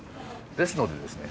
ですのでですね